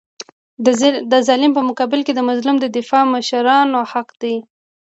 د ظالم په مقابل کي د مظلوم دفاع د مشرانو حق دی.